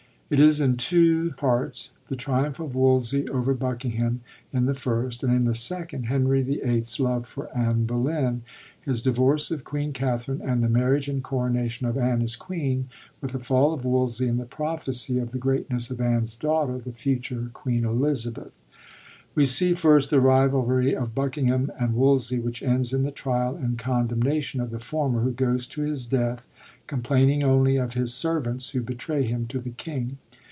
It is in two parts — the triumph of Wolsey over Buckingham in the first; and in the second, Henry VIII.*s love for Anne Bullen, his divorce of Queen Katharine, and the marriage and coronation of Anne as queen, with the fall of Wolsey, and the prophecy of the greatness of Anne's daught^er, the future Queen Elizabeth. We see first the rivalry of Buckingham and Wolsey, which ends in the trial and condemnation of the former, who goes to his death, complaining only of his servants who betray him to the king.